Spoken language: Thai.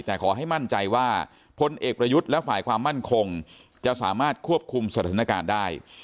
แต่ขอให้มั่นใจว่าพลเอกประยุทธ์และฝ่ายความมั่นคงจะสามารถควบคุมสถานการณ์ได้